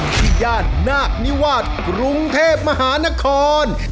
ย่านนาคนิวาสกรุงเทพมหานคร